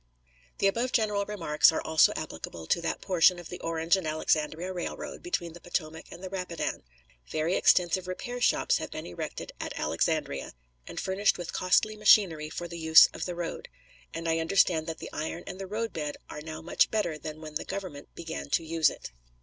The above general remarks are also applicable to that portion of the Orange and Alexandria Railroad between the Potomac and the Rapidan. Very extensive repair shops have been erected at Alexandria, and furnished with costly machinery for the use of the road, and I understand that the iron and the roadbed are now much better than when the Government began to use it.